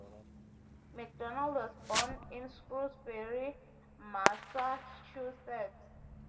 Mcdonald was born in Shrewsbury, Massachusetts.